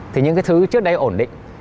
thì những cái thứ trước đây ổn định